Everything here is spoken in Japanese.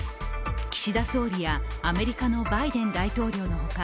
岸田総理やアメリカのバイデン大統領の他